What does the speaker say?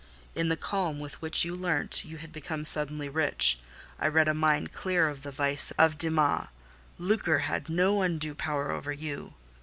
In the calm with which you learnt you had become suddenly rich, I read a mind clear of the vice of Demas:—lucre had no undue power over you.